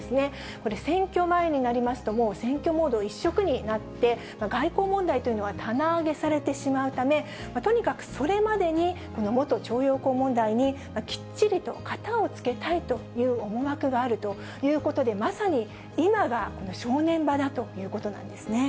これ、選挙前になりますと、もう選挙モード一色になって、外交問題というのは、棚上げされてしまうため、とにかくそれまでに元徴用工問題にきっちりと片をつけたいという思惑があるということで、まさに今が正念場だということなんです